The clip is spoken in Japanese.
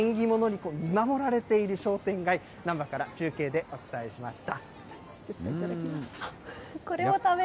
きょうはね、縁起物に見守られている商店街、難波から中継でお伝えしました。